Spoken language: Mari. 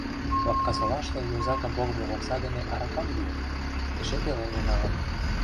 Лапкасолаште йозакым погымо окса дене аракам йӱын, эше пеленже налын.